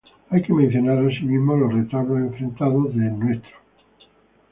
Hay que mencionar asimismo los retablos enfrentados de "Ntro.